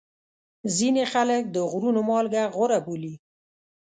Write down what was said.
ځینې خلک د غرونو مالګه غوره بولي.